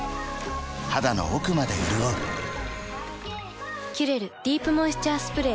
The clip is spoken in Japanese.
肌の奥まで潤う「キュレルディープモイスチャースプレー」